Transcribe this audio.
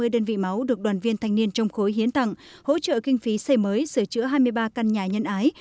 một sáu trăm tám mươi đơn vị máu được đoàn viên thanh niên trong khối hiến tặng hỗ trợ kinh phí xây mới sửa chữa hai mươi ba căn nhà nhân ái